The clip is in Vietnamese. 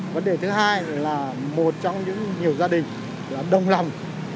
vấn đề thứ hai là một trong những nhiều gia đình đồng lòng